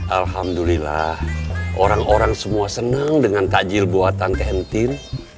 alhamdulillah orang orang semua senang dengan tajil buatan tentim